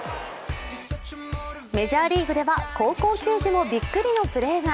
メジャーリーグでは高校球児もびっくりのプレーが。